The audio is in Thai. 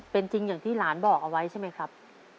เป็นจริงอย่างที่หลานบอกเอาไว้ใช่ไหมครับ